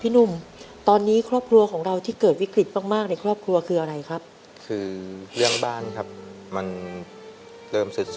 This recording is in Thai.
หนุ่มตอนนี้ครอบครัวของเราที่เกิดวิกฤตมากมากในครอบครัวคืออะไรครับคือเรื่องบ้านครับมันเริ่มศึกษา